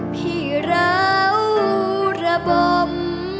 พี่ราวระบม